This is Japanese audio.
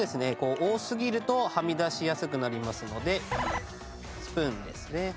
多すぎるとはみ出しやすくなりますのでスプーンですね。